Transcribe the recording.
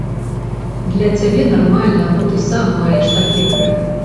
Для цябе нармальна, бо ты сам маеш такі грэх.